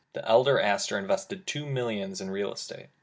The elder Astor invested two millions in real estate.